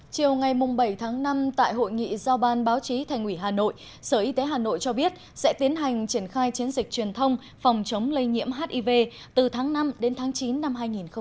chiều ngày bảy tháng năm tại hội nghị giao ban báo chí thành ủy hà nội sở y tế hà nội cho biết sẽ tiến hành triển khai chiến dịch truyền thông phòng chống lây nhiễm hiv từ tháng năm đến tháng chín năm hai nghìn hai mươi